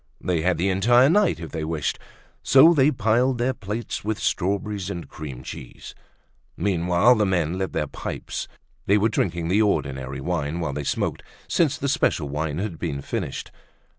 They had the entire night if they wished. So they piled their plates with strawberries and cream cheese. Meanwhile the men lit their pipes. They were drinking the ordinary wine while they smoked since the special wine had been finished.